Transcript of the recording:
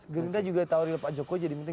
gerindra juga ditawari oleh pak jokowi jadi menteri